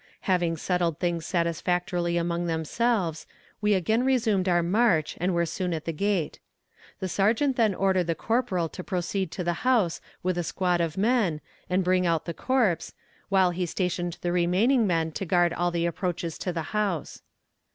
Having settled things satisfactorily among themselves, we again resumed our march and were soon at the gate. The sergeant then ordered the corporal to proceed to the house with a squad of men and bring out the corpse, while he stationed the remaining men to guard all the approaches to the house.